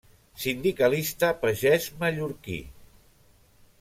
Sindicalista pagès mallorquí.